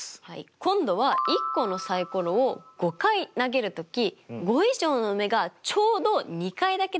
今度は１個のサイコロを５回投げるとき５以上の目がちょうど２回だけ出る確率を求めましょう。